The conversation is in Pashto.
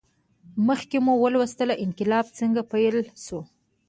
مخکې مو ولوستل انقلاب څنګه پیل شو.